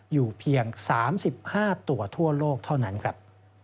อยู่เพียง๓๕ตัวทั่วโลกเท่านั้นครับ